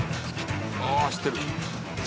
ああ走ってる。